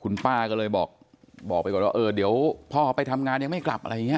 คุณป้าก็เลยบอกไปก่อนว่าเออเดี๋ยวพ่อไปทำงานยังไม่กลับอะไรอย่างนี้